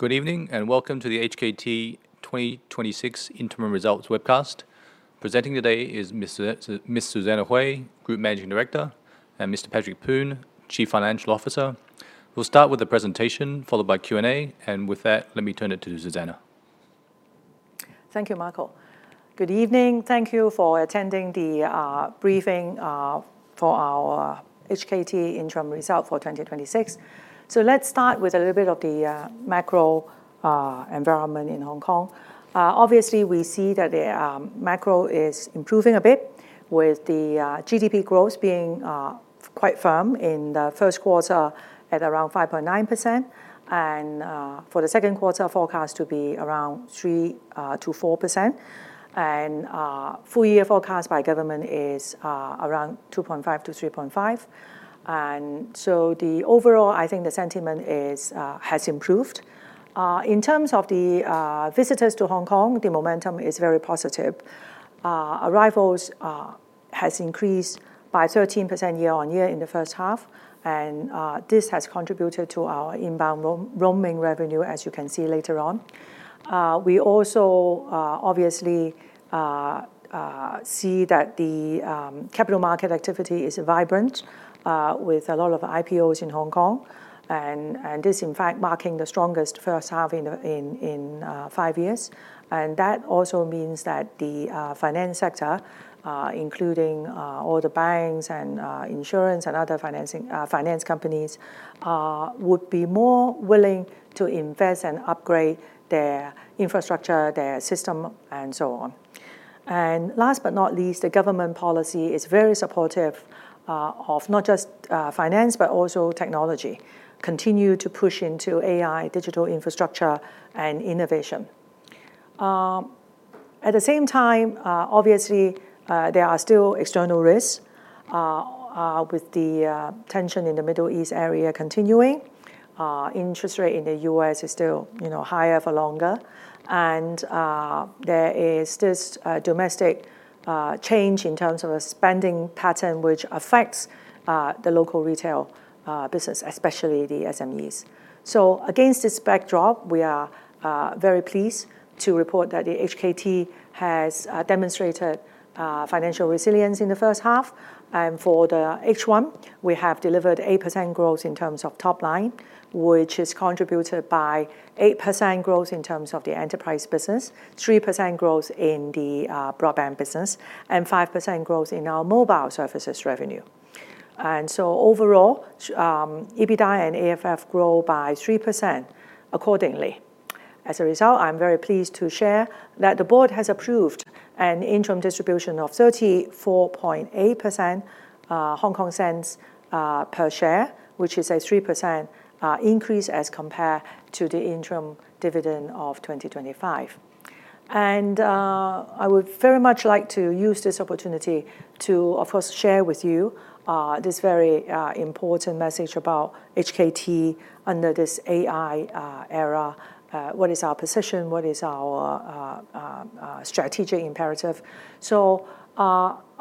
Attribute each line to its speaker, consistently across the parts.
Speaker 1: Good evening, and welcome to the HKT 2026 interim results webcast. Presenting today is Ms. Susanna Hui, Group Managing Director, and Mr. Patrick Poon, Chief Financial Officer. We will start with the presentation, followed by Q&A. With that, let me turn it to Susanna.
Speaker 2: Thank you, Michael. Good evening. Thank you for attending the briefing for our HKT interim results for 2026. Let's start with a little bit of the macro environment in Hong Kong. Obviously, we see that the macro is improving a bit with the GDP growth being quite firm in the first quarter at around 5.9%, and for the second quarter forecast to be around 3%-4%. Full-year forecast by government is around 2.5%-3.5%. The overall, I think the sentiment has improved. In terms of the visitors to Hong Kong, the momentum is very positive. Arrivals has increased by 13% year-on-year in the first half, and this has contributed to our inbound roaming revenue, as you can see later on. We also obviously see that the capital market activity is vibrant with a lot of IPOs in Hong Kong, and this, in fact, marking the strongest first half in five years. That also means that the finance sector, including all the banks and insurance and other finance companies, would be more willing to invest and upgrade their infrastructure, their system, and so on. Last but not least, the government policy is very supportive of not just finance but also technology. Continue to push into AI, digital infrastructure, and innovation. At the same time, obviously, there are still external risks, with the tension in the Middle East area continuing. Interest rate in the U.S. is still higher for longer. There is this domestic change in terms of a spending pattern which affects the local retail business, especially the SMEs. Against this backdrop, we are very pleased to report that HKT has demonstrated financial resilience in the first half. For the H1, we have delivered 8% growth in terms of top line, which is contributed by 8% growth in terms of the enterprise business, 3% growth in the broadband business, and 5% growth in our Mobile Services revenue. Overall, EBITDA and AFF grow by 3% accordingly. As a result, I am very pleased to share that the board has approved an interim distribution of 0.348 per share, which is a 3% increase as compared to the interim dividend of 2025. I would very much like to use this opportunity to, of course, share with you this very important message about HKT under this AI era. What is our position, what is our strategic imperative?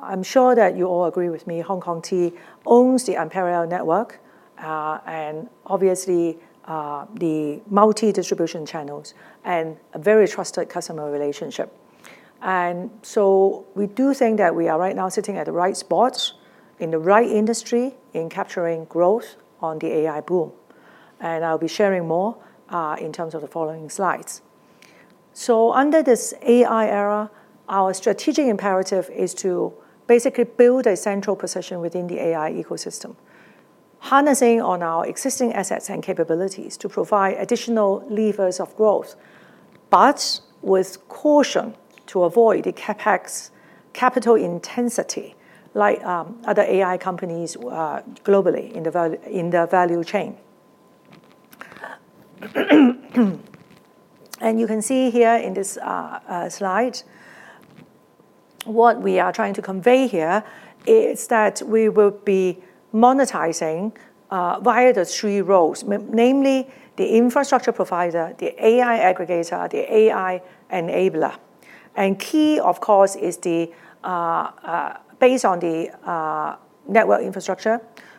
Speaker 2: I'm sure that you all agree with me, HKT owns the unparalleled network, obviously, the multi-distribution channels, and a very trusted customer relationship. We do think that we are right now sitting at the right spot in the right industry in capturing growth on the AI boom. I'll be sharing more in terms of the following slides. Under this AI era, our strategic imperative is to basically build a central position within the AI ecosystem, harnessing on our existing assets and capabilities to provide additional levers of growth, but with caution to avoid the CapEx capital intensity like other AI companies globally in the value chain. You can see here in this slide, what we are trying to convey here is that we will be monetizing via the three roles, namely the infrastructure provider, the AI aggregator, the AI enabler. Key, of course, is based on the network infrastructure,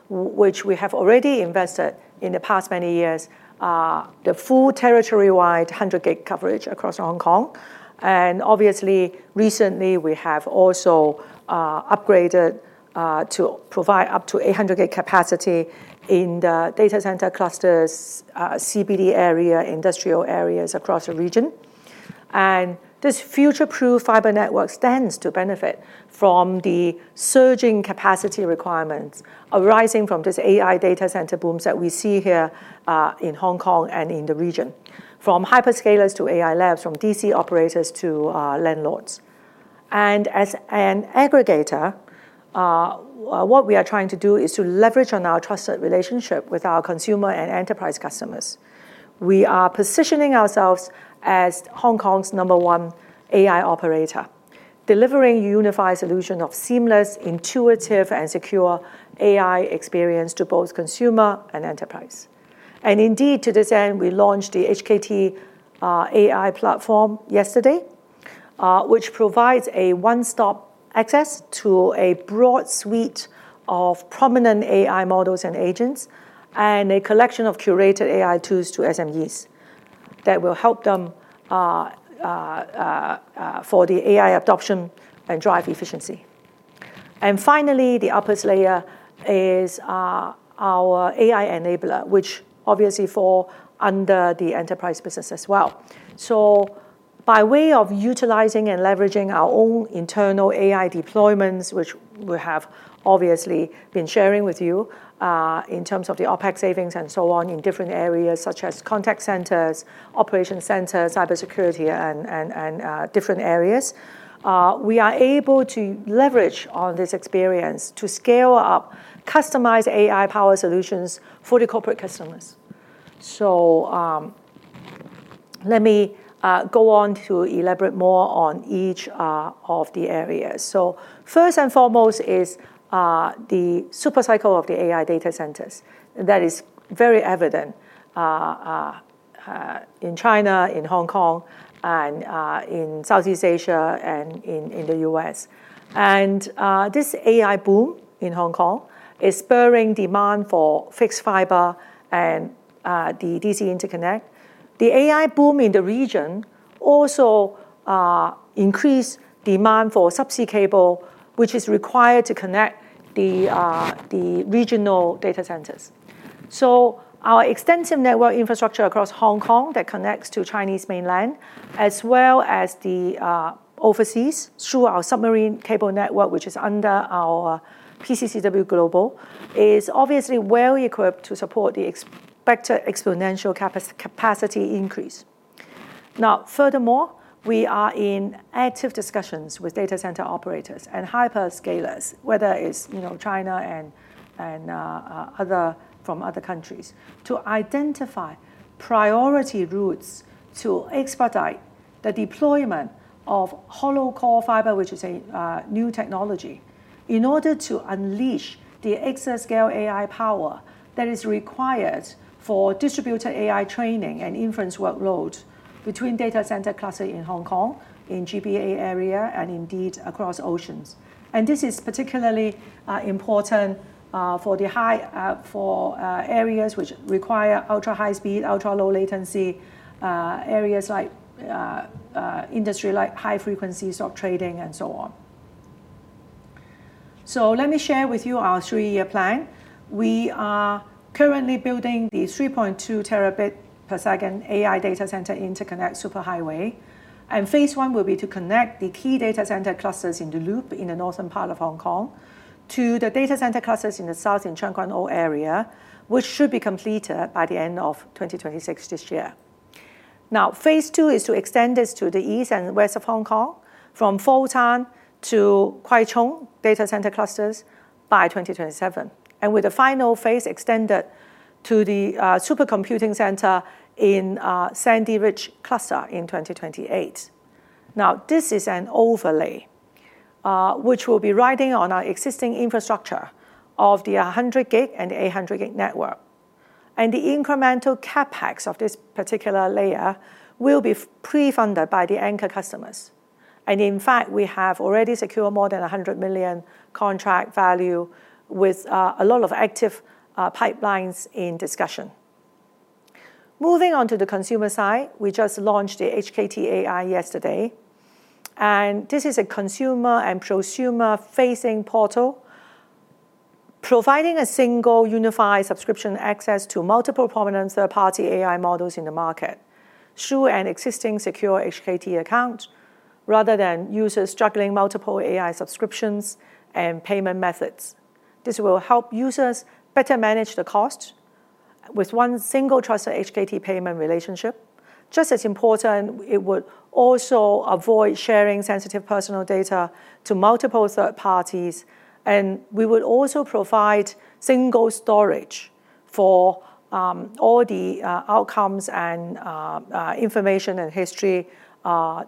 Speaker 2: which we have already invested in the past many years, the full territory-wide 100G coverage across Hong Kong. Obviously, recently, we have also upgraded to provide up to 100G capacity in the data center clusters, CBD area, industrial areas across the region. This future-proof fiber network stands to benefit from the surging capacity requirements arising from this AI data center booms that we see here in Hong Kong and in the region. From hyperscalers to AI labs, from DC operators to landlords. As an aggregator, what we are trying to do is to leverage on our trusted relationship with our consumer and enterprise customers. We are positioning ourselves as Hong Kong's number one AI operator, delivering unified solution of seamless, intuitive, and secure AI experience to both consumer and enterprise. Indeed, to this end, we launched the HKT.AI platform yesterday which provides a one-stop access to a broad suite of prominent AI models and agents, and a collection of curated AI tools to SMEs that will help them for the AI adoption and drive efficiency. Finally, the upper layer is our AI enabler, which obviously fall under the enterprise business as well. By way of utilizing and leveraging our own internal AI deployments, which we have obviously been sharing with you in terms of the OpEx savings and so on in different areas such as contact centers, operation centers, cybersecurity, and different areas, we are able to leverage on this experience to scale up customized AI power solutions for the corporate customers. Let me go on to elaborate more on each of the areas. First and foremost is the super cycle of the AI data centers that is very evident in China, in Hong Kong, in Southeast Asia and in the U.S. This AI boom in Hong Kong is spurring demand for fixed fiber and the DC interconnect. The AI boom in the region also increased demand for subsea cable, which is required to connect the regional data centers. Our extensive network infrastructure across Hong Kong that connects to Chinese Mainland, as well as overseas through our submarine cable network, which is under our PCCW Global, is obviously well-equipped to support the expected exponential capacity increase. Furthermore, we are in active discussions with data center operators and hyperscalers, whether it's China and from other countries, to identify priority routes to expedite the deployment of hollow core fibre, which is a new technology, in order to unleash the exascale AI power that is required for distributed AI training and inference workloads between data center clusters in Hong Kong, in GBA area, and indeed across oceans. This is particularly important for areas which require ultra-high speed, ultra-low latency, industry like high frequency stock trading and so on. Let me share with you our three-year plan. We are currently building the 3.2Tbps AI data center interconnect superhighway. Phase 1 will be to connect the key data center clusters in the loop in the northern part of Hong Kong to the data center clusters in the south, in Tseung Kwan O area, which should be completed by the end of 2026 this year. Phase 2 is to extend this to the east and west of Hong Kong from Fo Tan to Kwai Chung data center clusters by 2027, with the final Phase extended to the super-computing center in Sandy Ridge cluster in 2028. This is an overlay, which will be riding on our existing infrastructure of the 100G and 800G network. The incremental CapEx of this particular layer will be pre-funded by the anchor customers. In fact, we have already secured more than 100 million contract value with a lot of active pipelines in discussion. Moving on to the consumer side, we just launched the HKT.AI yesterday. This is a consumer and prosumer-facing portal providing a single unified subscription access to multiple prominent third-party AI models in the market through an existing secure HKT account, rather than users juggling multiple AI subscriptions and payment methods. This will help users better manage the cost with one single trusted HKT payment relationship. Just as important, it would also avoid sharing sensitive personal data to multiple third parties. We would also provide single storage for all the outcomes and information and history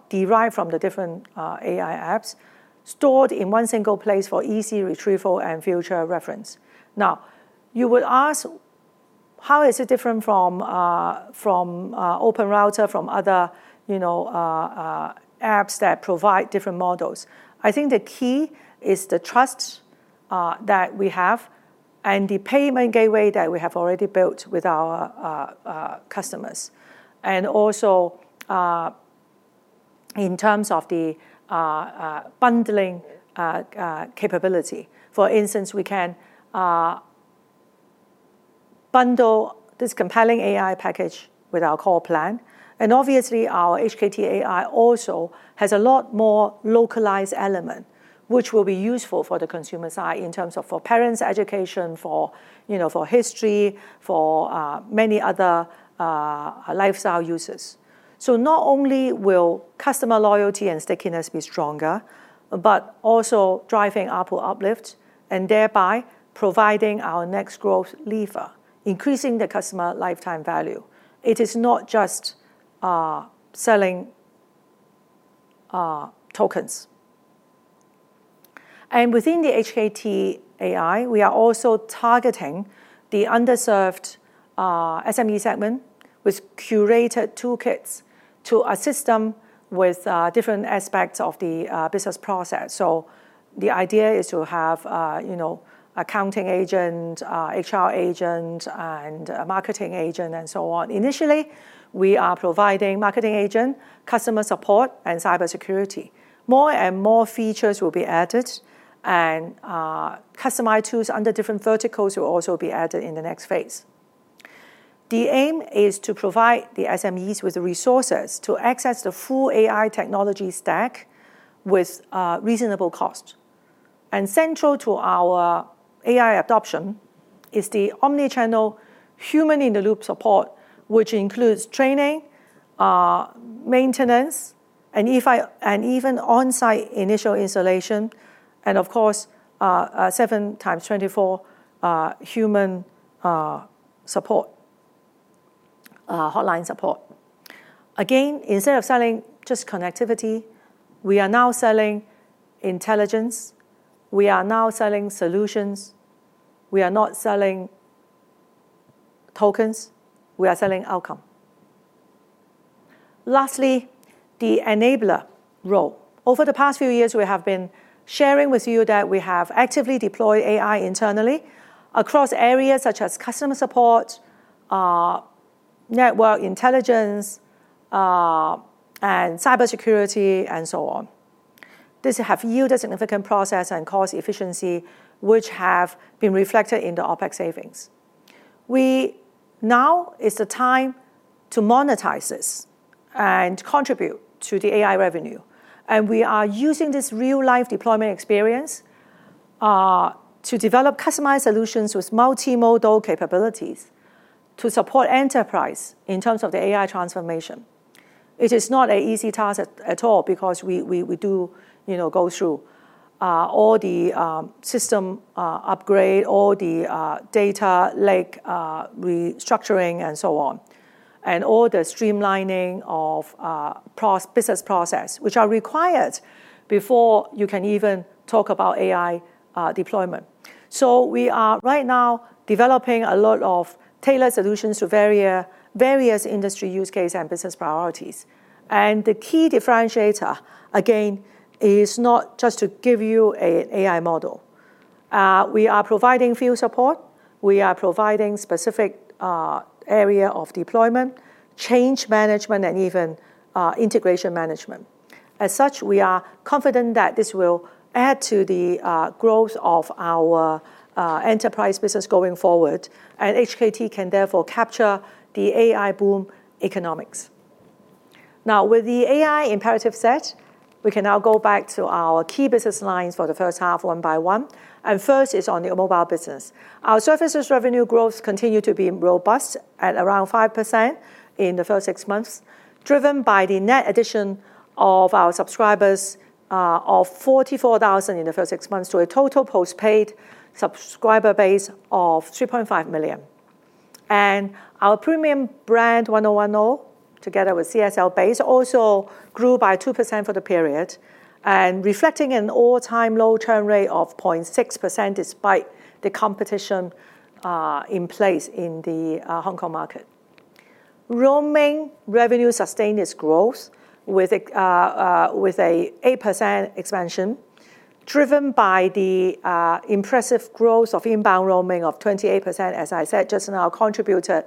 Speaker 2: derived from the different AI apps stored in one single place for easy retrieval and future reference. You would ask, how is it different from OpenRouter, from other apps that provide different models? I think the key is the trust that we have and the payment gateway that we have already built with our customers, also in terms of the bundling capability. For instance, we can bundle this compelling AI package with our core plan. Obviously our HKT.AI also has a lot more localized element, which will be useful for the consumer side in terms of for parents' education, for history, for many other lifestyle uses. Not only will customer loyalty and stickiness be stronger, but also driving ARPU uplift and thereby providing our next growth lever, increasing the customer lifetime value. It is not just selling tokens. Within the HKT.AI, we are also targeting the underserved SME segment with curated toolkits to assist them with different aspects of the business process. The idea is to have accounting agent, HR agent, and a marketing agent, and so on. Initially, we are providing marketing agent, customer support, and cybersecurity. More and more features will be added, and customized tools under different verticals will also be added in the next phase. The aim is to provide the SMEs with the resources to access the full AI technology stack with reasonable cost. Central to our AI adoption is the omni-channel human-in-the-loop support, which includes training, maintenance, and even on-site initial installation, and of course, 7x24 human hotline support. Instead of selling just connectivity, we are now selling intelligence. We are now selling solutions. We are not selling tokens. We are selling outcome. Lastly, the enabler role. Over the past few years, we have been sharing with you that we have actively deployed AI internally across areas such as customer support, network intelligence, and cybersecurity, and so on. These have yielded significant process and cost efficiency, which have been reflected in the OpEx savings. Now is the time to monetize this and contribute to the AI revenue. We are using this real-life deployment experience to develop customized solutions with multimodal capabilities to support enterprise in terms of the AI transformation. It is not an easy task at all because we do go through all the system upgrade, all the data lake restructuring, and so on, and all the streamlining of business process, which are required before you can even talk about AI deployment. We are right now developing a lot of tailored solutions to various industry use case and business priorities. The key differentiator, again, is not just to give you an AI model. We are providing field support. We are providing specific area of deployment, change management, and even integration management. As such, we are confident that this will add to the growth of our enterprise business going forward, and HKT can therefore capture the AI boom economics. Now, with the AI imperative set, we can now go back to our key business lines for the first half one by one. First is on the Mobile business. Our services revenue growth continue to be robust at around 5% in the first six months, driven by the net addition of our subscribers of 44,000 in the first six months to a total postpaid subscriber base of 3.5 million. Our premium brand, 1O1O, together with csl, also grew by 2% for the period and reflecting an all-time low churn rate of 0.6% despite the competition in place in the Hong Kong market. Roaming revenue sustained its growth with a 8% expansion, driven by the impressive growth of inbound roaming of 28%, as I said just now, contributed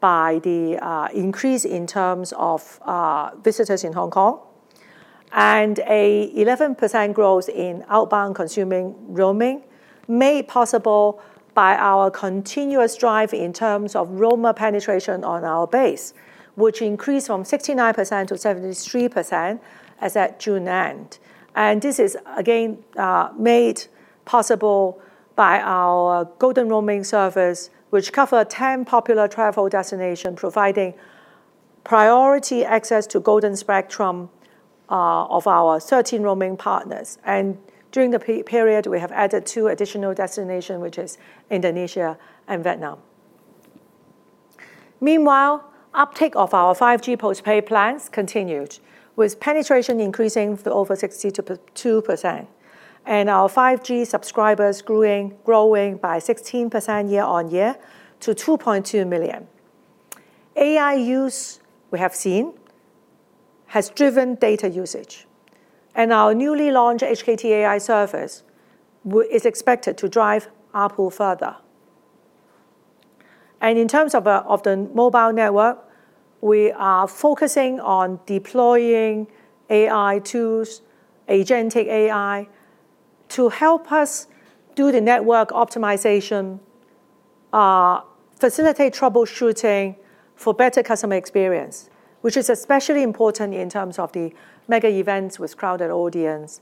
Speaker 2: by the increase in terms of visitors in Hong Kong, and a 11% growth in outbound consuming roaming made possible by our continuous drive in terms of roamer penetration on our base, which increased from 69%-73% as at June end. This is again made possible by our Golden Roaming service, which cover 10 popular travel destination, providing priority access to golden spectrum of our 13 roaming partners. During the period, we have added two additional destination, which is Indonesia and Vietnam. Meanwhile, uptake of our 5G postpaid plans continued, with penetration increasing to over 62%, and our 5G subscribers growing by 16% year-on-year to 2.2 million. AI use, we have seen, has driven data usage. Our newly launched HKT.AI service is expected to drive up further. In terms of the mobile network, we are focusing on deploying AI tools, agentic AI, to help us do the network optimization, facilitate troubleshooting for better customer experience, which is especially important in terms of the mega events with crowded audience.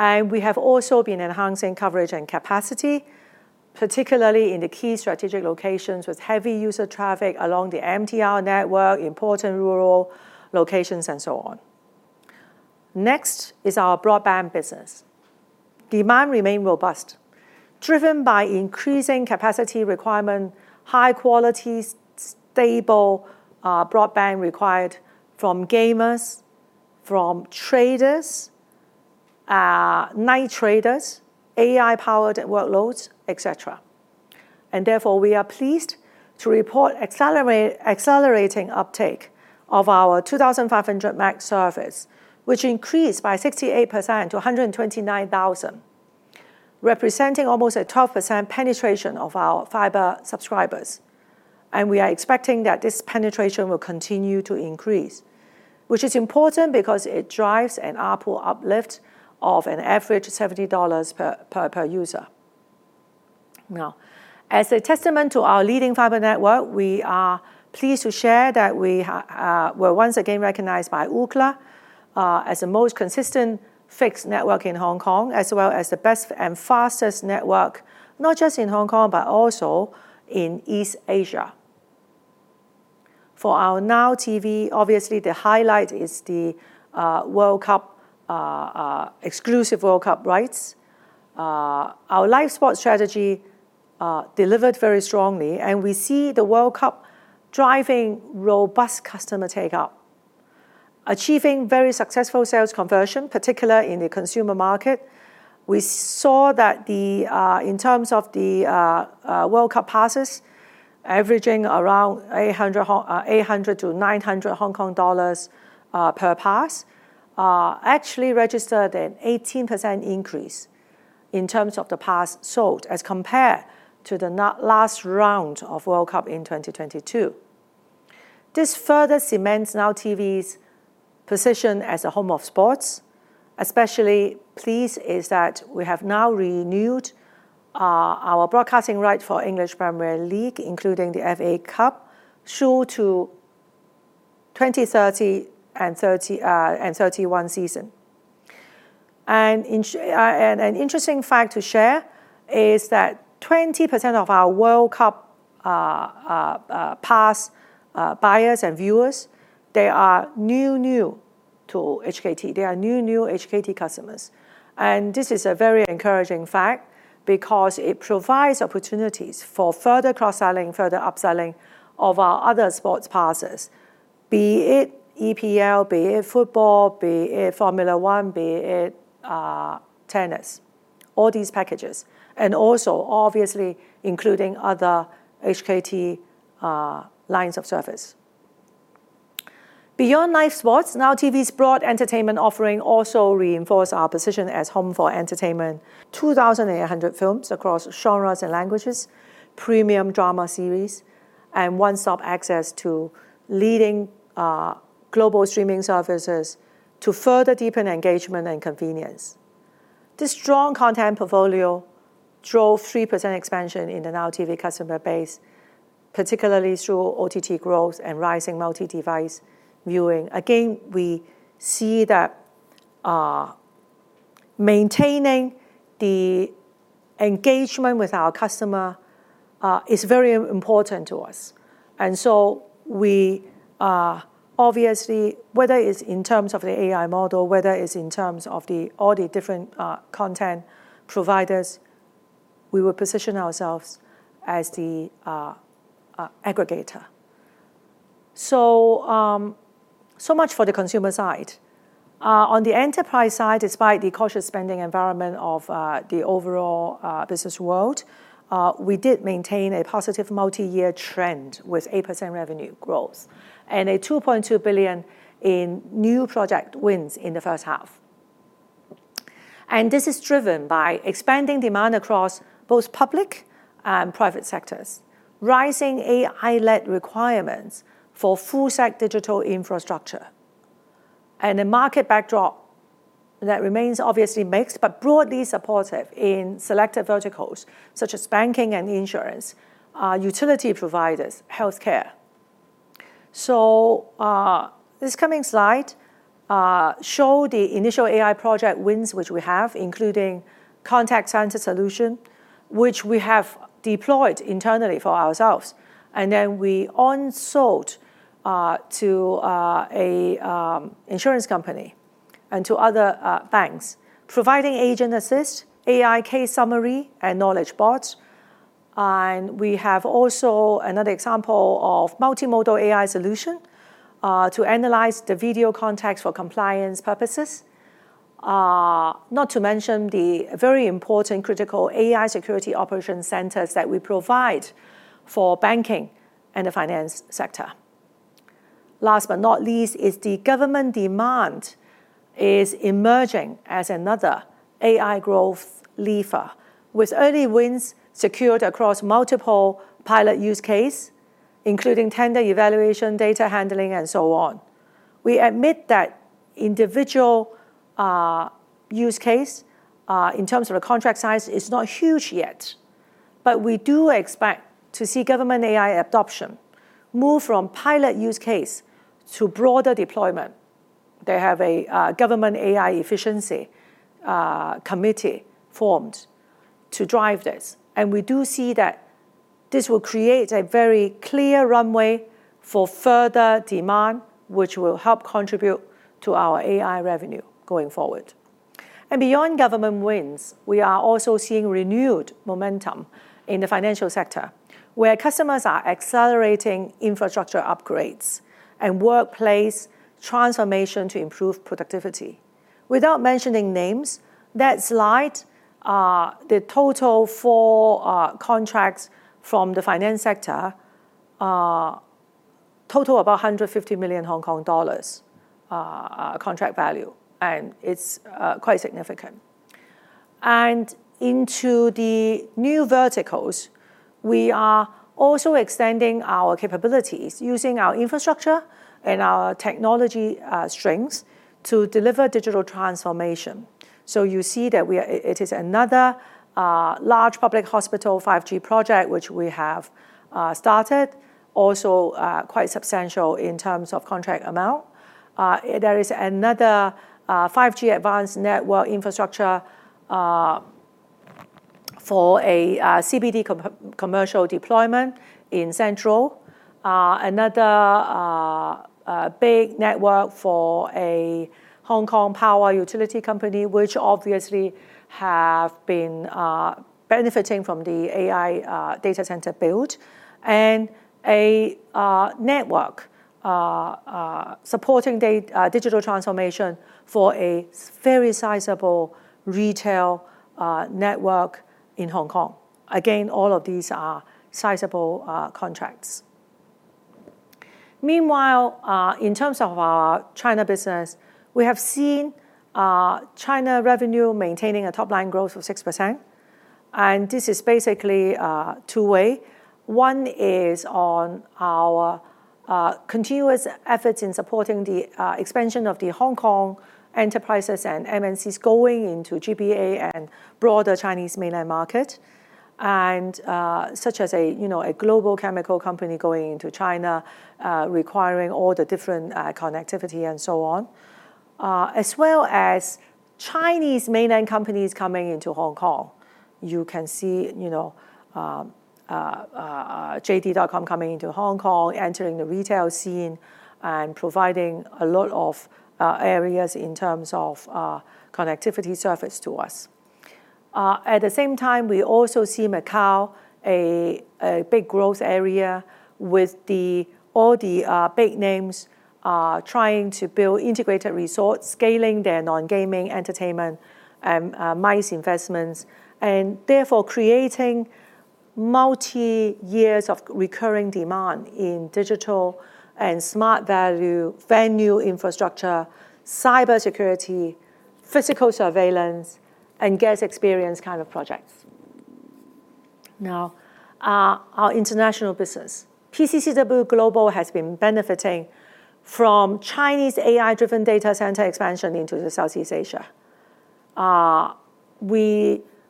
Speaker 2: We have also been enhancing coverage and capacity, particularly in the key strategic locations with heavy user traffic along the MTR network, important rural locations, and so on. Next is our broadband business. Demand remained robust, driven by increasing capacity requirement, high quality, stable broadband required from gamers, from traders, night traders, AI-powered workloads, et cetera. Therefore, we are pleased to report accelerating uptake of our 2500M service, which increased by 68% to 129,000, representing almost a 12% penetration of our fiber subscribers. We are expecting that this penetration will continue to increase, which is important because it drives an ARPU uplift of an average of 70 dollars per user. Now, as a testament to our leading fiber network, we are pleased to share that we were once again recognized by Ookla as the most consistent fixed network in Hong Kong, as well as the best and fastest network, not just in Hong Kong, but also in East Asia. For our Now TV, obviously, the highlight is the exclusive World Cup rights. Our live sports strategy delivered very strongly, and we see the World Cup driving robust customer take-up, achieving very successful sales conversion, particularly in the consumer market. We saw that in terms of the World Cup passes, averaging around 800-900 Hong Kong dollars per pass, actually registered an 18% increase in terms of the passes sold as compared to the last round of World Cup in 2022. This further cements Now TV's position as a home of sports. Especially pleased is that we have now renewed our broadcasting right for English Premier League, including the FA Cup, through to the 2030 and 2031 season. An interesting fact to share is that 20% of our World Cup pass buyers and viewers, they are new to HKT. They are new HKT customers. This is a very encouraging fact because it provides opportunities for further cross-selling, further upselling of our other sports passes, be it EPL, be it football, be it Formula 1, be it tennis, all these packages, and also obviously including other HKT lines of service. Beyond live sports, Now TV's broad entertainment offering also reinforces our position as home for entertainment. 2,800 films across genres and languages, premium drama series, and one-stop access to leading global streaming services to further deepen engagement and convenience. This strong content portfolio drove 3% expansion in the Now TV customer base, particularly through OTT growth and rising multi-device viewing. Again, we see that maintaining the engagement with our customer is very important to us. So we, obviously, whether it's in terms of the AI model, whether it's in terms of all the different content providers, we will position ourselves as the aggregator. So much for the consumer side. On the enterprise side, despite the cautious spending environment of the overall business world, we did maintain a positive multi-year trend with 8% revenue growth and 2.2 billion in new project wins in the first half. This is driven by expanding demand across both public and private sectors, rising AI-led requirements for full-stack digital infrastructure, and a market backdrop that remains obviously mixed but broadly supportive in selected verticals, such as banking and insurance, utility providers, healthcare. This coming slide show the initial AI project wins which we have, including contact center solution, which we have deployed internally for ourselves, and then we on sold to an insurance company and to other banks, providing agent assist, AI case summary, and knowledge bots. We have also another example of multimodal AI solution to analyze the video contacts for compliance purposes. Not to mention the very important critical AI security operation centers that we provide for banking and the finance sector. Last but not least, the government demand is emerging as another AI growth lever, with early wins secured across multiple pilot use case, including tender evaluation, data handling, and so on. We admit that individual use case, in terms of the contract size, is not huge yet. We do expect to see government AI adoption move from pilot use case to broader deployment. They have a government AI efficiency committee formed to drive this. We do see that this will create a very clear runway for further demand, which will help contribute to our AI revenue going forward. Beyond government wins, we are also seeing renewed momentum in the financial sector, where customers are accelerating infrastructure upgrades and workplace transformation to improve productivity. Without mentioning names, that slide, the total four contracts from the finance sector total about 150 million Hong Kong dollars contract value, it's quite significant. Into the new verticals, we are also extending our capabilities using our infrastructure and our technology strengths to deliver digital transformation. You see that it is another large public hospital 5G project which we have started, also quite substantial in terms of contract amount. There is another 5G advanced network infrastructure for a CBD commercial deployment in Central. Another big network for a Hong Kong power utility company, which obviously have been benefiting from the AI data center build. A network supporting digital transformation for a very sizable retail network in Hong Kong. Again, all of these are sizable contracts. Meanwhile, in terms of our China business, we have seen China revenue maintaining a top-line growth of 6%. This is basically two way. One is on our continuous efforts in supporting the expansion of the Hong Kong enterprises and MNCs going into GBA and broader Chinese Mainland market, such as a global chemical company going into China, requiring all the different connectivity and so on, as well as Chinese Mainland companies coming into Hong Kong. You can see JD.com coming into Hong Kong, entering the retail scene, providing a lot of areas in terms of connectivity service to us. At the same time, we also see Macau a big growth area with all the big names trying to build integrated resorts, scaling their non-gaming entertainment, and MICE investments, therefore creating multi-years of recurring demand in digital and smart value, venue infrastructure, cybersecurity, physical surveillance, and guest experience kind of projects. Our international business. PCCW Global has been benefiting from Chinese AI-driven data center expansion into the Southeast Asia,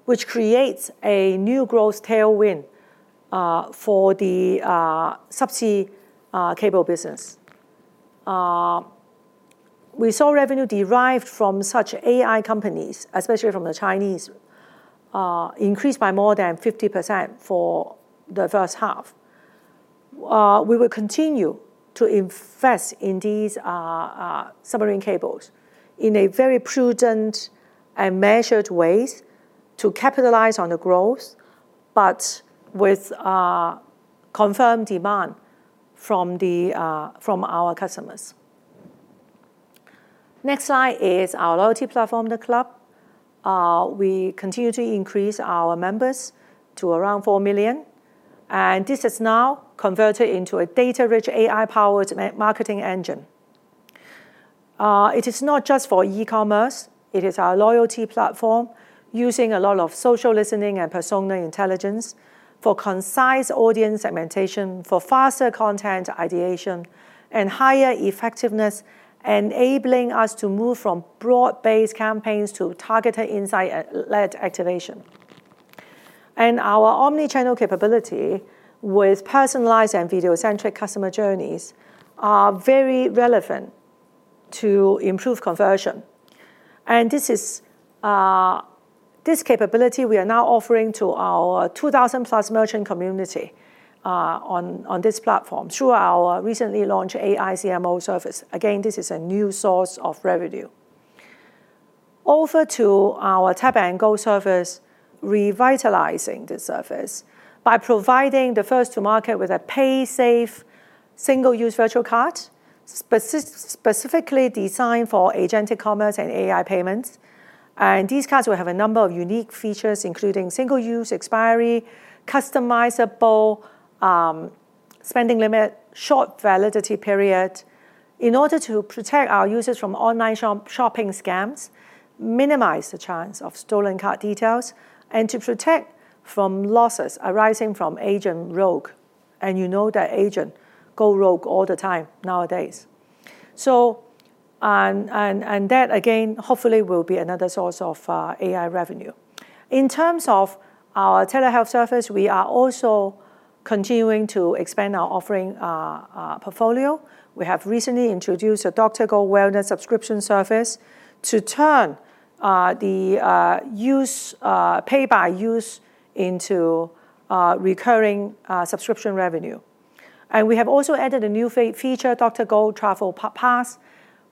Speaker 2: which creates a new growth tailwind for the sub-sea cable business. We saw revenue derived from such AI companies, especially from the Chinese, increase by more than 50% for the first half. We will continue to invest in these submarine cables in a very prudent and measured ways to capitalize on the growth, but with confirmed demand from our customers. Next slide is our loyalty platform, The Club. We continue to increase our members to around 4 million, this is now converted into a data-rich, AI-powered marketing engine. It is not just for e-commerce. It is our loyalty platform using a lot of social listening and persona intelligence for concise audience segmentation, for faster content ideation and higher effectiveness, enabling us to move from broad-based campaigns to targeted insight-led activation. Our omni-channel capability with personalized and video-centric customer journeys are very relevant to improve conversion. This capability we are now offering to our 2,000+ merchant community on this platform through our recently launched AI CMO service. Again, this is a new source of revenue. Over to our Tap & Go service, revitalizing the service by providing the first to market with a pay safe Single Use Card, specifically designed for agentic e-commerce and AI payments. These cards will have a number of unique features, including single-use expiry, customizable spending limit, short validity period in order to protect our users from online shopping scams, minimize the chance of stolen card details, and to protect from losses arising from agentic rogue. You know that agentic go rogue all the time nowadays. That again, hopefully, will be another source of AI revenue. In terms of our telehealth service, we are also continuing to expand our offering portfolio. We have recently introduced a DrGo One Wellness subscription service to turn the pay by use into recurring subscription revenue. We have also added a new feature, DrGo Travel Pass,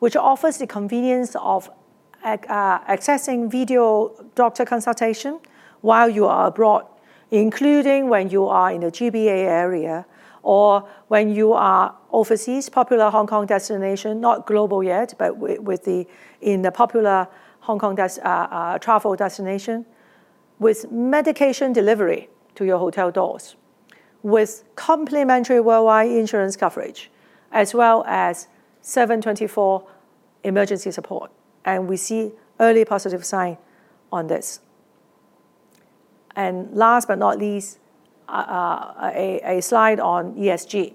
Speaker 2: which offers the convenience of accessing video doctor consultation while you are abroad, including when you are in a GBA area or when you are overseas. Popular Hong Kong destination, not global yet, but in the popular Hong Kong travel destination with medication delivery to your hotel doors, with complimentary worldwide insurance coverage, as well as 7/24 emergency support. We see early positive signs on this. Last but not least, a slide on ESG.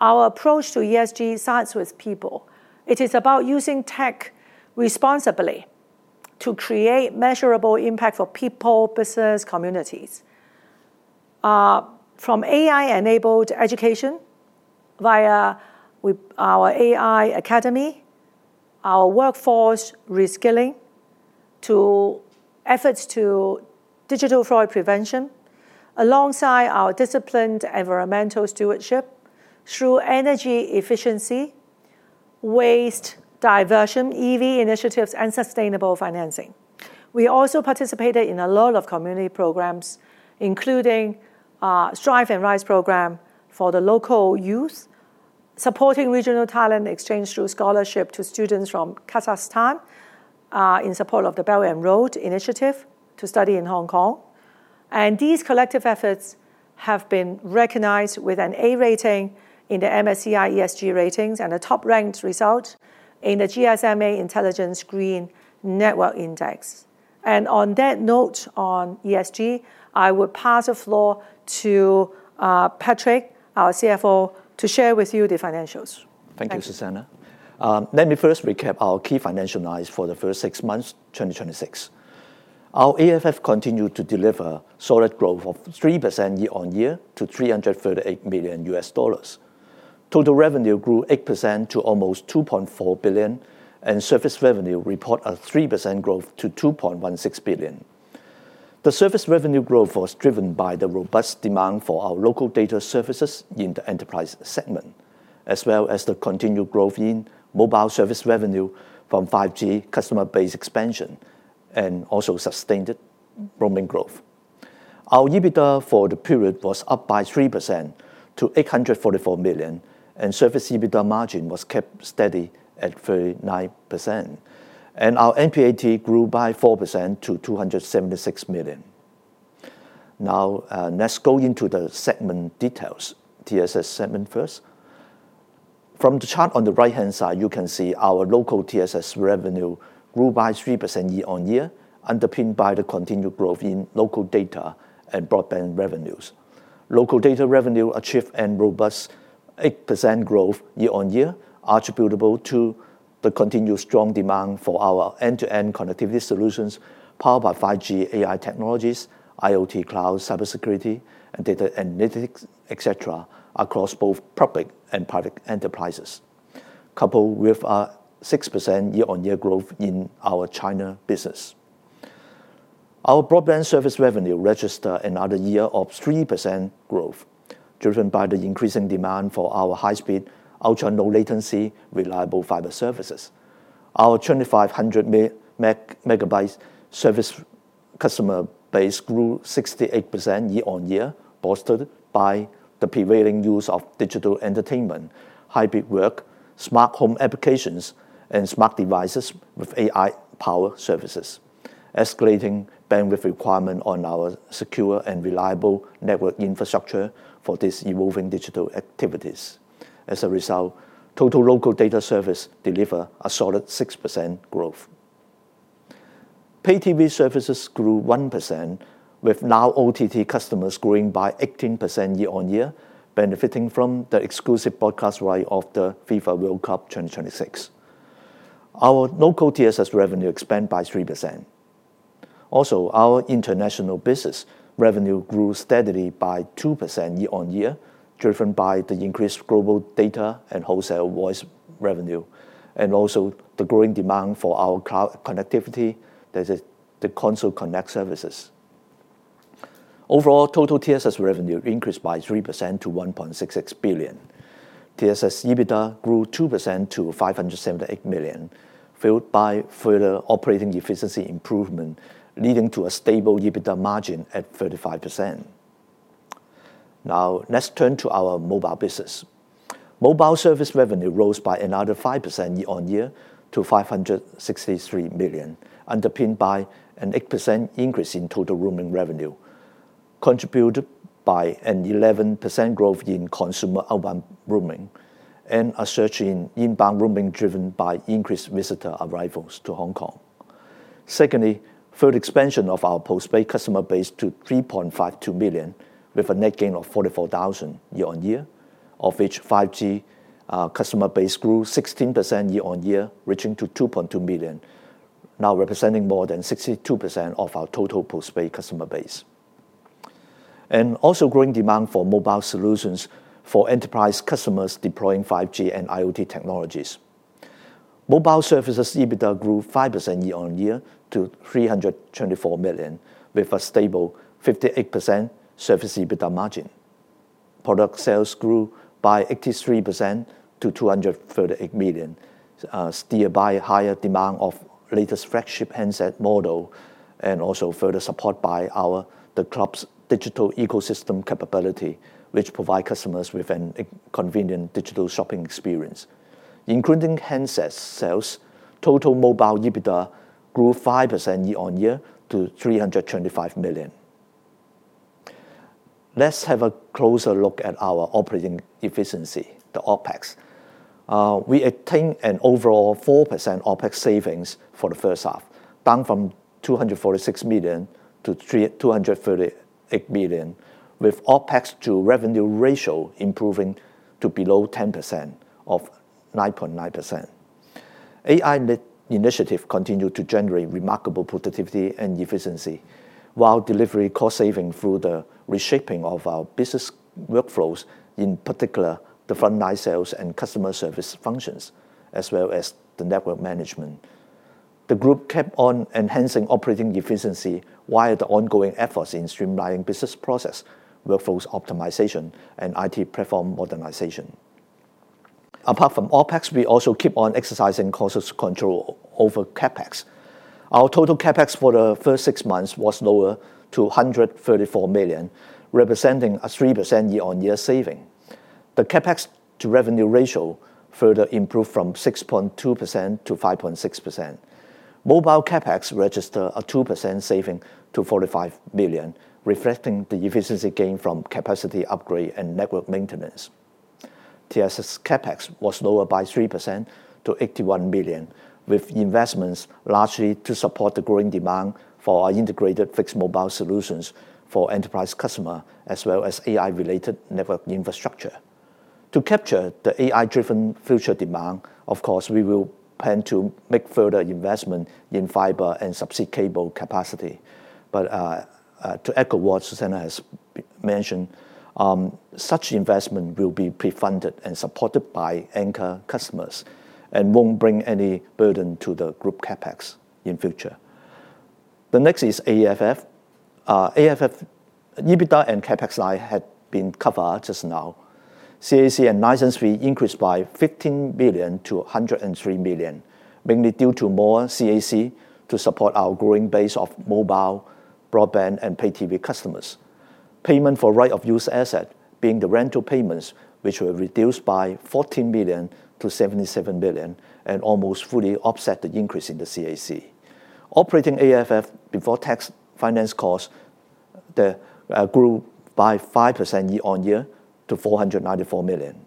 Speaker 2: Our approach to ESG starts with people. It is about using tech responsibly to create measurable impact for people, business, communities. From AI-enabled education via our AI Academy, our workforce reskilling, to efforts to digital fraud prevention, alongside our disciplined environmental stewardship through energy efficiency, waste diversion, EV initiatives, and sustainable financing. We also participated in a lot of community programs, including Strive and Rise Programme for the local youth, supporting regional talent exchange through scholarship to students from Kazakhstan, in support of the Belt and Road Initiative to study in Hong Kong. These collective efforts have been recognized with an A rating in the MSCI ESG ratings and a top-ranked result in the GSMA Intelligence Green Network Index. On that note on ESG, I will pass the floor to Patrick, our CFO, to share with you the financials.
Speaker 3: Thank you, Susanna. Let me first recap our key financial notes for the first six months 2026. Our AFF continued to deliver solid growth of 3% year-on-year to $338 million. Total revenue grew 8% to almost 2.4 billion, service revenue report a 3% growth to 2.16 billion. The service revenue growth was driven by the robust demand for our local data services in the enterprise segment, as well as the continued growth in Mobile Service revenue from 5G customer base expansion, also sustained roaming growth. Our EBITDA for the period was up by 3% to 844 million, and service EBITDA margin was kept steady at 39%. Our NPAT grew by 4% to 276 million. Now, let's go into the segment details. TSS segment first. From the chart on the right-hand side, you can see our local TSS revenue grew by 3% year-on-year, underpinned by the continued growth in local data and broadband revenues. Local data revenue achieved a robust 8% growth year-on-year, attributable to the continued strong demand for our end-to-end connectivity solutions powered by 5G AI technologies, IoT cloud, cybersecurity, and data analytics, et cetera, across both public and private enterprises. Coupled with a 6% year-on-year growth in our China business. Our broadband service revenue registered another year of 3% growth, driven by the increasing demand for our high-speed, ultra-low latency, reliable fiber services. Our 2,500M service customer base grew 68% year-on-year, bolstered by the prevailing use of digital entertainment, hybrid work, smart home applications, and smart devices with AI power services. Escalating bandwidth requirement on our secure and reliable network infrastructure for these evolving digital activities. As a result, total local data service deliver a solid 6% growth. Pay TV services grew 1%, with Now OTT customers growing by 18% year-on-year, benefiting from the exclusive broadcast right of the FIFA World Cup 2026™. Our local TSS revenue expanded by 3%. Our international business revenue grew steadily by 2% year-on-year, driven by the increased global data and wholesale voice revenue, and also the growing demand for our cloud connectivity, that is the Console Connect services. Overall, total TSS revenue increased by 3% to 1.66 billion. TSS EBITDA grew 2% to 578 million, fueled by further operating efficiency improvement, leading to a stable EBITDA margin at 35%. Now, let's turn to our Mobile business. Mobile Service revenue rose by another 5% year-on-year to 563 million, underpinned by an 8% increase in total roaming revenue, contributed by an 11% growth in consumer outbound roaming and a surge in inbound roaming driven by increased visitor arrivals to Hong Kong. Secondly, further expansion of our postpaid customer base to 3.52 million, with a net gain of 44,000 year-on-year. Of which 5G customer base grew 16% year-on-year, reaching to 2.2 million, now representing more than 62% of our total postpaid customer base. Also growing demand for mobile solutions for enterprise customers deploying 5G and IoT technologies. Mobile Services EBITDA grew 5% year-on-year to 324 million, with a stable 58% service EBITDA margin. Product sales grew by 83% to 238 million, steered by higher demand of latest flagship handset model, also further support by The Club's digital ecosystem capability, which provide customers with a convenient digital shopping experience. Including handsets sales, total mobile EBITDA grew 5% year-on-year to 325 million. Let's have a closer look at our operating efficiency, the OpEx. We attained an overall 4% OpEx savings for the first half, down from 246 million-238 million, with OpEx to revenue ratio improving to below 10%, of 9.9%. AI initiative continued to generate remarkable productivity and efficiency while delivering cost saving through the reshaping of our business workflows, in particular, the frontline sales and customer service functions, as well as the network management. The group kept on enhancing operating efficiency via the ongoing efforts in streamlining business process, workforce optimization, and IT platform modernization. Apart from OpEx, we also keep on exercising cautious control over CapEx. Our total CapEx for the first six months was lower to 134 million, representing a 3% year-on-year saving. The CapEx to revenue ratio further improved from 6.2%-5.6%. Mobile CapEx registered a 2% saving to 45 million, reflecting the efficiency gain from capacity upgrade and network maintenance. TSS CapEx was lower by 3% to 81 million, with investments largely to support the growing demand for our integrated fixed mobile solutions for enterprise customer as well as AI-related network infrastructure. To capture the AI-driven future demand, of course, we will plan to make further investment in fiber and subsea cable capacity. To echo what Susanna has mentioned, such investment will be pre-funded and supported by anchor customers and won't bring any burden to the group CapEx in future. The next is AFF. AFF EBITDA and CapEx line had been covered just now. CAC and license fee increased by 15 million-103 million, mainly due to more CAC to support our growing base of mobile, broadband, and pay TV customers. Payment for right of use asset being the rental payments which were reduced by 14 million-77 million and almost fully offset the increase in the CAC. Operating AFF before tax finance cost grew by 5% year-on-year to 494 million.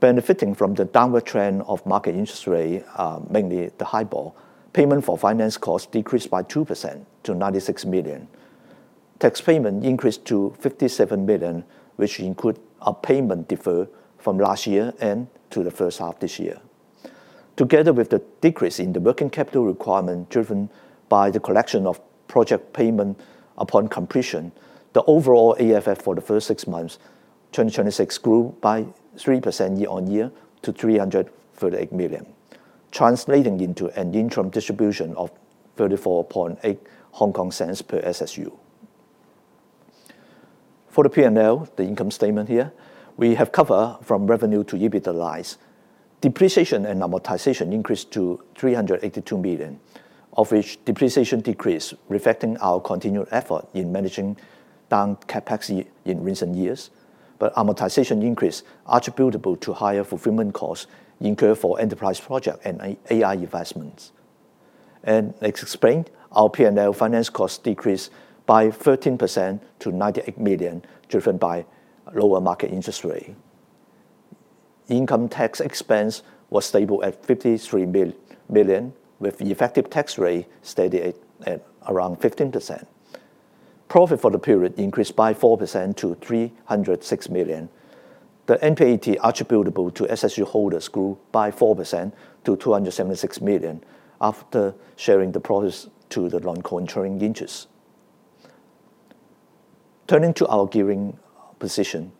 Speaker 3: Benefiting from the downward trend of market interest rate, mainly the HIBOR, payment for finance cost decreased by 2% to 96 million. Tax payment increased to 57 million, which include a payment defer from last year and to the first half this year. Together with the decrease in the working capital requirement driven by the collection of project payment upon completion, the overall AFF for the first six months 2026 grew by 3% year-on-year to $338 million, translating into an interim distribution of 0.348 per SSU. For the P&L, the income statement here, we have covered from revenue to EBITDA lines. Depreciation and amortization increased to 382 million, of which depreciation decreased, reflecting our continued effort in managing down CapEx in recent years. Amortization increase attributable to higher fulfillment costs incurred for enterprise project and AI investments. As explained, our P&L finance cost decreased by 13% to 98 million, driven by lower market interest rate. Income tax expense was stable at 53 million, with effective tax rate steady at around 15%. Profit for the period increased by 4% to 306 million. The NPAT attributable to SSU holders grew by 4% to 276 million after sharing the profits to the non-controlling interests. Turning to our gearing position.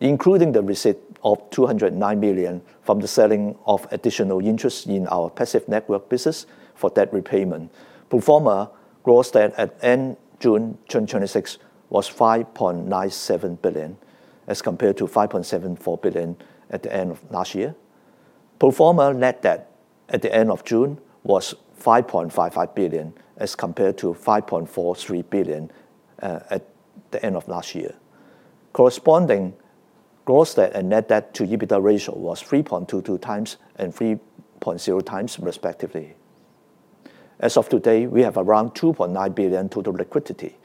Speaker 3: Including the receipt of 209 million from the selling of additional interest in our passive network business for debt repayment, pro forma gross debt at end June 2026 was 5.97 billion as compared to 5.74 billion at the end of last year. Pro forma net debt at the end of June was 5.55 billion as compared to 5.43 billion at the end of last year. Corresponding gross debt and net debt to EBITDA ratio was 3.22x and 3.0x respectively. As of today, we have around 2.9 billion total liquidity,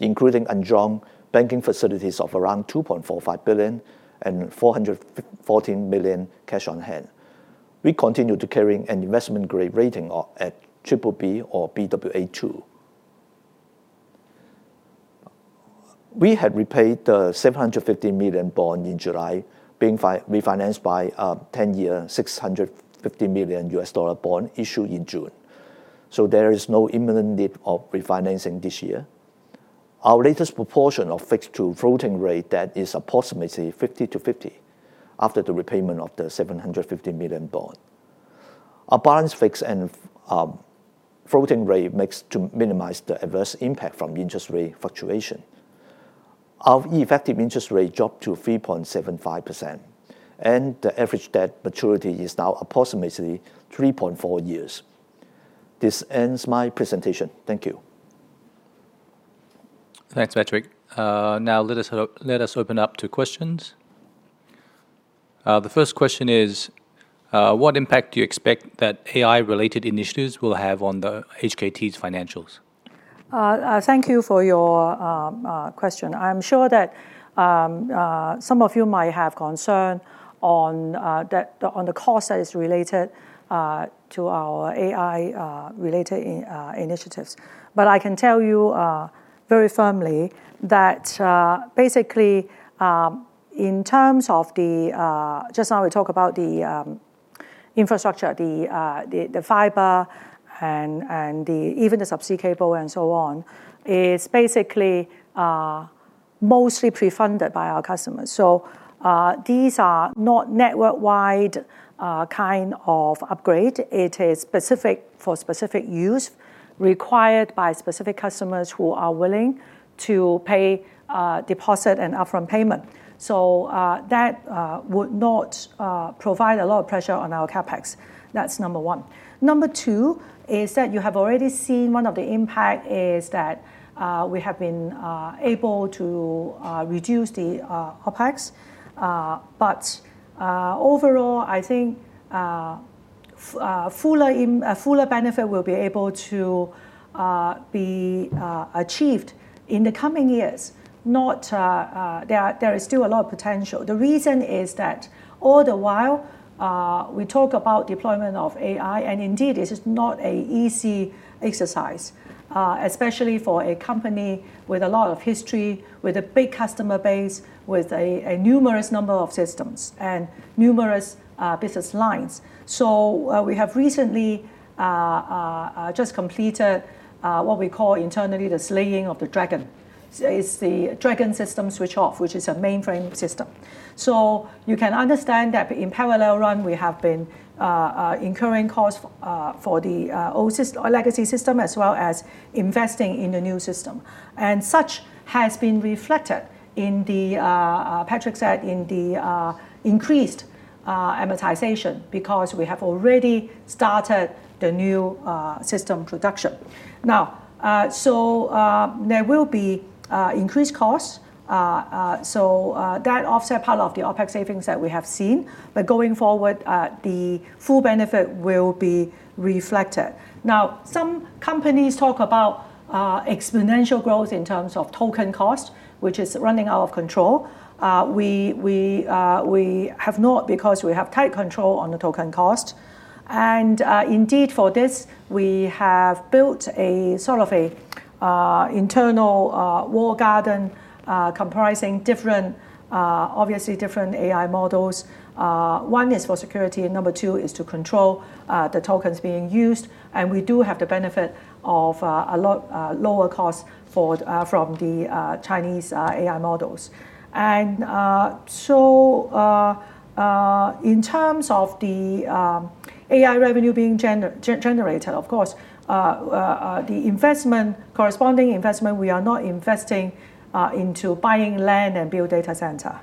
Speaker 3: including undrawn banking facilities of around 2.45 billion and 414 million cash on hand. We continue to carrying an investment-grade rating at BBB or Baa2. We had repaid the 750 million bond in July, being refinanced by a 10-year, $650 million bond issued in June. There is no imminent need of refinancing this year. Our latest proportion of fixed to floating rate, that is approximately 50/50, after the repayment of the 750 million bond. Our balance fixed and floating rate makes to minimize the adverse impact from interest rate fluctuation. Our effective interest rate dropped to 3.75%, and the average debt maturity is now approximately 3.4 years. This ends my presentation. Thank you.
Speaker 1: Thanks, Patrick. Let us open up to questions. The first question is, what impact do you expect that AI-related initiatives will have on HKT's financials?
Speaker 2: Thank you for your question. I am sure that some of you might have concern on the cost that is related to our AI-related initiatives. I can tell you very firmly that basically, in terms of the, just now we talk about the infrastructure, the fiber, and even the subsea cable and so on. It is basically mostly pre-funded by our customers. These are not network-wide upgrade. It is specific for specific use, required by specific customers who are willing to pay a deposit and upfront payment. That would not provide a lot of pressure on our CapEx. That is number one. Number two is that you have already seen one of the impact is that we have been able to reduce the OpEx. Overall, I think a fuller benefit will be able to be achieved in the coming years. There is still a lot of potential. The reason is that all the while, we talk about deployment of AI, indeed, it is not a easy exercise. Especially for a company with a lot of history, with a big customer base, with a numerous number of systems, and numerous business lines. We have recently just completed what we call internally the slaying of the dragon. It is the dragon system switch off, which is a mainframe system. You can understand that in parallel run, we have been incurring costs for the legacy system, as well as investing in the new system. Such has been reflected in the, Patrick said, in the increased amortization, because we have already started the new system production. Now, there will be increased costs. That offset part of the OpEx savings that we have seen. Going forward, the full benefit will be reflected. Now, some companies talk about exponential growth in terms of token cost, which is running out of control. We have not, because we have tight control on the token cost. Indeed for this, we have built a sort of internal walled garden comprising obviously different AI models. One is for security, and number two is to control the tokens being used, and we do have the benefit of a lot lower costs from the Chinese AI models. In terms of the AI revenue being generated, of course, the corresponding investment, we are not investing into buying land and build data center.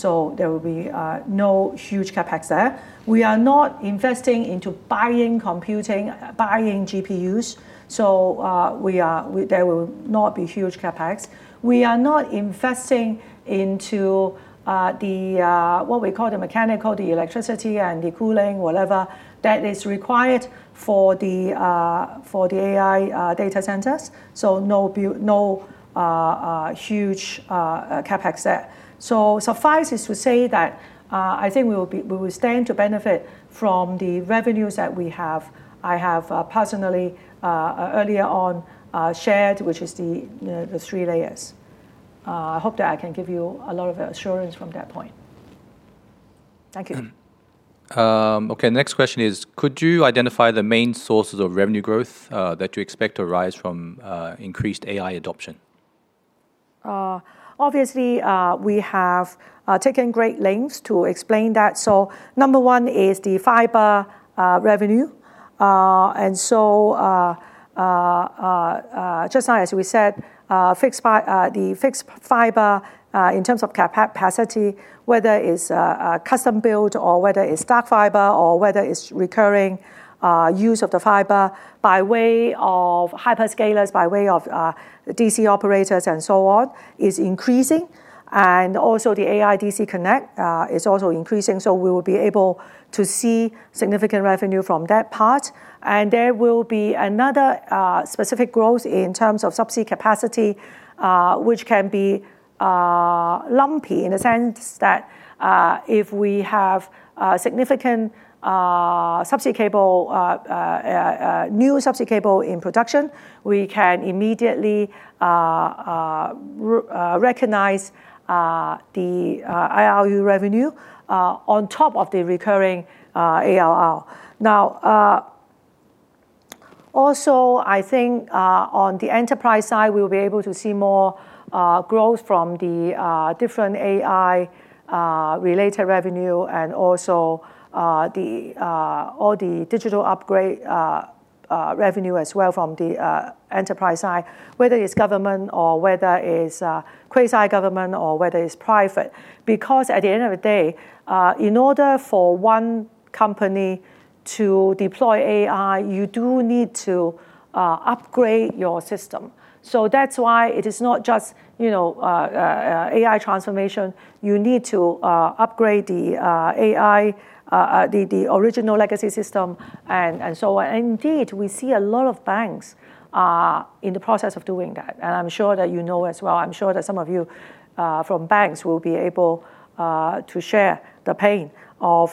Speaker 2: There will be no huge CapEx there. We are not investing into buying computing, buying GPUs. There will not be huge CapEx. We are not investing into what we call the mechanical, the electricity, and the cooling, whatever, that is required for the AI data centers. No huge CapEx there. Suffice is to say that, I think we will stand to benefit from the revenues that we have. I have personally, earlier on, shared, which is the three layers. I hope that I can give you a lot of assurance from that point. Thank you.
Speaker 1: Okay, next question is, could you identify the main sources of revenue growth that you expect to rise from increased AI adoption?
Speaker 2: Obviously, we have taken great lengths to explain that. Number 1 is the fiber revenue. Just now, as we said, the fixed fiber, in terms of capacity, whether it's custom built or whether it's stock fiber, or whether it's recurring use of the fiber by way of hyperscalers, by way of DC operators and so on, is increasing. Also the AI DC connect is also increasing. We will be able to see significant revenue from that part. There will be another specific growth in terms of subsea capacity, which can be lumpy in the sense that if we have significant new subsea cable in production, we can immediately recognize the IRU revenue on top of the recurring ARR. Now also, I think on the enterprise side, we'll be able to see more growth from the different AI-related revenue, and also all the digital upgrade revenue as well from the enterprise side, whether it's government or whether it's quasi-government or whether it's private. Because at the end of the day, in order for one company to deploy AI, you do need to upgrade your system. That's why it is not just AI transformation. You need to upgrade the AI, the original legacy system, and so on. Indeed, we see a lot of banks are in the process of doing that, and I'm sure that you know as well. I'm sure that some of you from banks will be able to share the pain of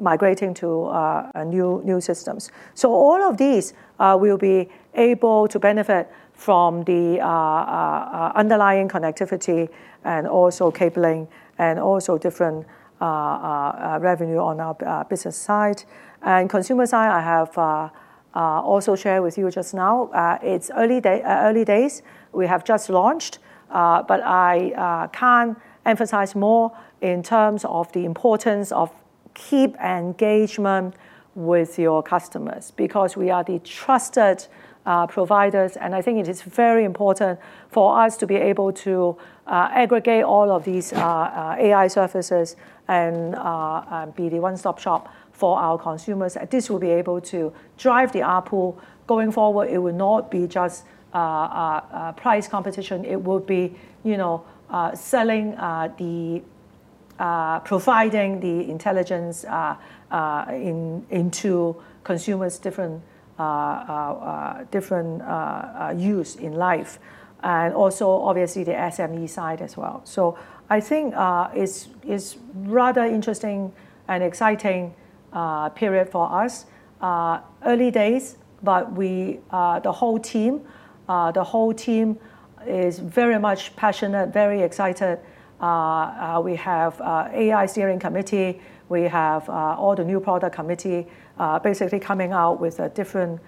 Speaker 2: migrating to new systems. All of these will be able to benefit from the underlying connectivity and also cabling, and also different revenue on our business side. Consumer side, I have also shared with you just now. It's early days. We have just launched. I can't emphasize more in terms of the importance of keep engagement with your customers, because we are the trusted providers, and I think it is very important for us to be able to aggregate all of these AI services and be the one-stop shop for our consumers. This will be able to drive the ARPU. Going forward, it will not be just price competition. It will be providing the intelligence into consumers' different use in life, and also obviously the SME side as well. I think it's rather interesting and exciting period for us. Early days, the whole team is very much passionate, very excited. We have AI steering committee. We have all the new product committee basically coming out with different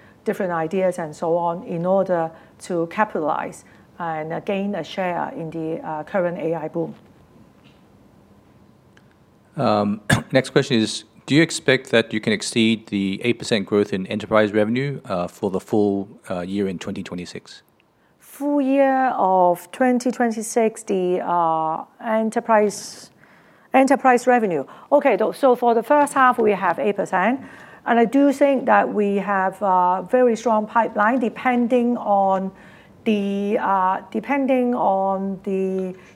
Speaker 2: ideas and so on in order to capitalize and gain a share in the current AI boom.
Speaker 1: Next question is, do you expect that you can exceed the 8% growth in Enterprise revenue for the full year in 2026?
Speaker 2: Full year of 2026, the Enterprise revenue. Okay. For the first half, we have 8%, and I do think that we have a very strong pipeline depending on the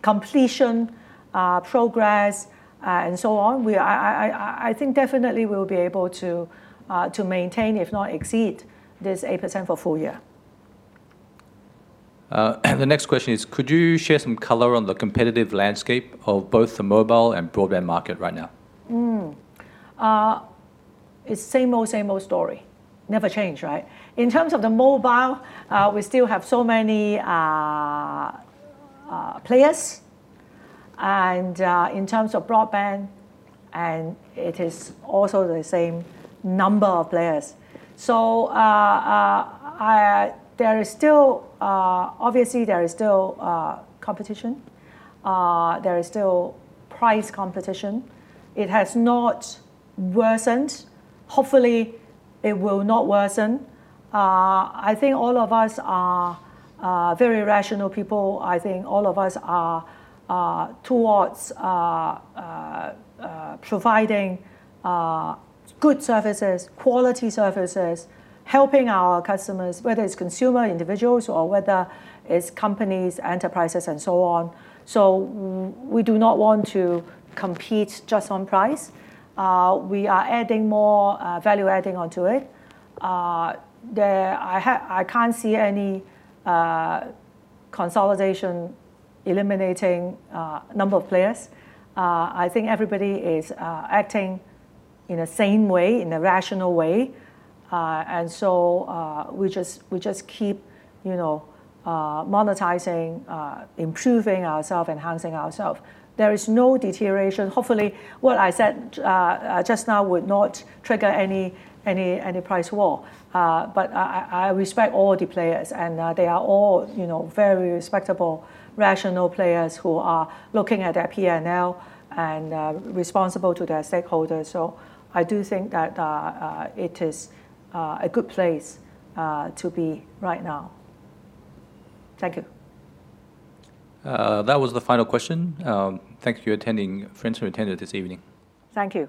Speaker 2: completion progress and so on. I think definitely we'll be able to maintain, if not exceed, this 8% for full year.
Speaker 1: The next question is, could you share some color on the competitive landscape of both the mobile and broadband market right now?
Speaker 2: It's same old, same old story. Never change, right? In terms of the mobile, we still have so many players, and in terms of broadband, it is also the same number of players. Obviously there is still competition. There is still price competition. It has not worsened. Hopefully, it will not worsen. I think all of us are very rational people. I think all of us are towards providing good services, quality services, helping our customers, whether it's consumer, individuals, or whether it's companies, enterprises, and so on. We do not want to compete just on price. We are adding more value adding onto it. I can't see any consolidation eliminating number of players. I think everybody is acting in a same way, in a rational way. We just keep monetizing, improving ourself, enhancing ourself. There is no deterioration. Hopefully, what I said just now would not trigger any price war. I respect all the players, and they are all very respectable, rational players who are looking at their P&L and responsible to their stakeholders. I do think that it is a good place to be right now. Thank you.
Speaker 1: That was the final question. Thank you friends who attended this evening.
Speaker 2: Thank you